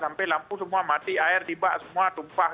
sampai lampu semua mati air tiba semua tumpah